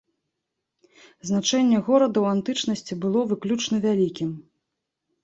Значэнне горада ў антычнасці было выключна вялікім.